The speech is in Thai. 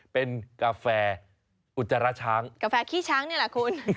เป็นกาแฟอุจจาระช้างกาแฟขี้ช้างนี่แหละคุณ